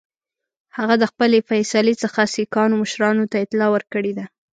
هغه د خپلي فیصلې څخه سیکهانو مشرانو ته اطلاع ورکړې ده.